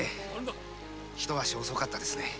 一足遅かったですねぇ。